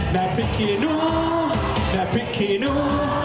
แม่พริกขี่นู้แม่พริกขี่นู้